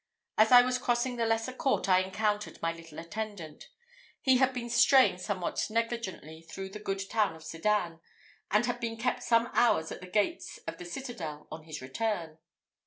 As I was crossing the lesser court, I encountered my little attendant. He had been straying somewhat negligently through the good town of Sedan, and had been kept some hours at the gates of the citadel on his return.